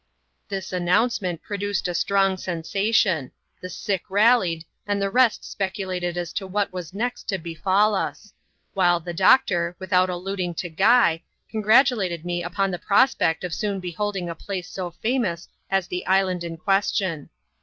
Hiis announcement produced a strong sensation — the sick rallied — and the rest speculated as to what was next to befall OB ; while the doctor, without alluding to Guy, congratulated me upon the prospect of soon beholding a place so famous as the island in question.